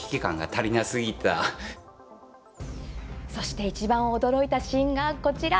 そしていちばん驚いたシーンがこちら！